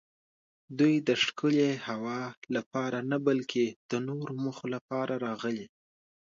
دوی د ښکلې هوا لپاره نه بلکې د نورو موخو لپاره راغلي.